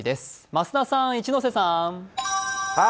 増田さん、一ノ瀬さん。